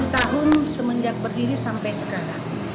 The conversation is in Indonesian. empat puluh tahun semenjak berdiri sampai sekarang